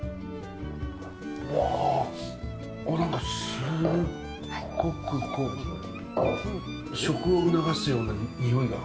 わあなんかすっごく食を促すような匂いが。